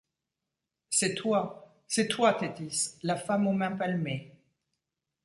C’est toi ; c’est toi, Téthys, la femme aux mains palmées ;